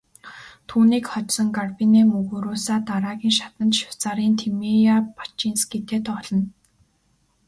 Түүнийг хожсон Гарбинэ Мугуруса дараагийн шатанд Швейцарын Тимея Бачинскитэй тоглоно.